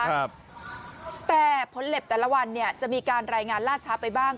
แต่ผลเหล็บแต่ละวันเนี่ยจะมีการรายงานล่าช้าไปบ้าง